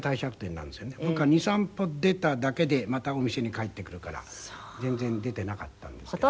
僕は２３歩出ただけでまたお店に帰ってくるから全然出ていなかったんですけどね。